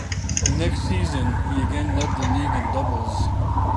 The next season, he again led the league in doubles.